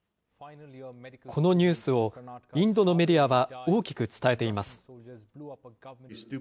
このニュースを、インドのメディアは大きく伝えています。